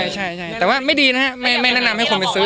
ใช่แต่ว่าไม่ดีนะฮะไม่แนะนำให้คนไปซื้อ